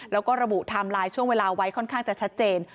แล้วก็ระบุไทม์ไลน์ช่วงเวลาไว้ค่อนข้างจะชัดเจน